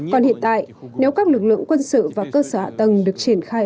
còn hiện tại nếu các lực lượng quân sự và cơ sở hạ tầng được triển khai